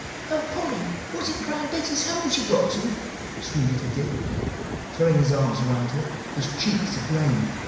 "O Polly! was it Brown Betty's home she got to?" screamed little Dick, throwing his arms around her, his cheeks aflame.